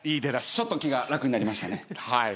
ちょっと気が楽になりましたね。